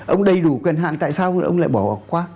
ông đầy đủ quyền hạn tại sao thì ông lại bỏ qua